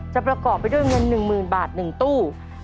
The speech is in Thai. ประกอบไปด้วยเงิน๑๐๐๐บาท๑ตู้